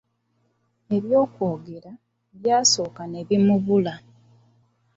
Eby'okwogera byasooka ne bimubula.